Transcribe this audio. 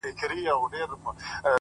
مثبت چلند سخت حالات نرموي,